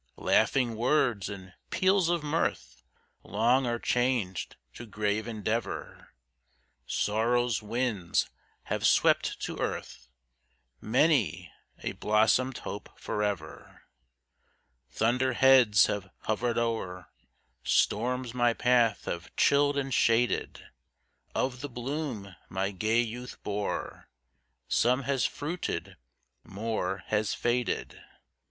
"Laughing words and peals of mirth, Long are changed to grave endeavor; Sorrow's winds have swept to earth Many a blossomed hope forever. Thunder heads have hovered o'er Storms my path have chilled and shaded; Of the bloom my gay youth bore, Some has fruited more has faded."